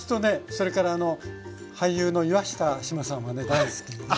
それからあの俳優の岩下志麻さんはね大好きなんですよ。